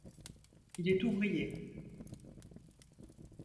Il est ouvrier.